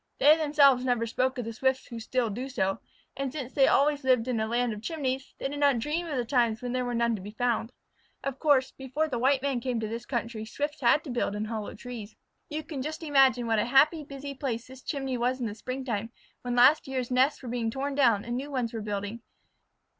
They themselves never spoke of the Swifts who still do so, and since they had always lived in a land of chimneys, they did not dream of the times when there were none to be found. Of course, before the white men came to this country Swifts had to build in hollow trees. [Illustration: THE CHIMNEY SWIFT'S HOME. Page 78] You can just imagine what a happy, busy place this chimney was in the springtime, when last year's nests were being torn down and new ones were building.